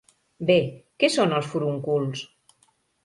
Bé, què són els furóncols?